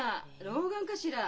老眼かしら？